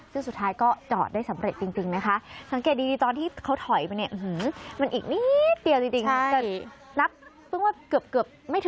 ซึ่งสุดท้ายก็จอดได้สำเร็จจริงนะคะ